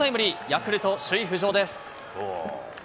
ヤクルト、首位浮上です。